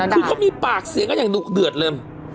คือเขามีปากเสียงกันอย่างดุเดือดเลย